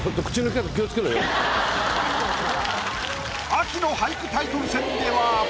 秋の俳句タイトル戦では。